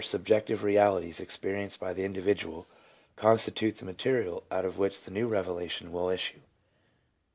311 subjective realities experienced by the individual, constitute the material out of which the New Revelation will issue.